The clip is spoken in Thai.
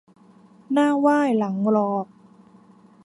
หน้าไหว้หลังหลอก